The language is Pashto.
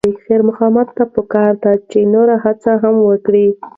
خیر محمد ته پکار ده چې نور هم هڅه وکړي.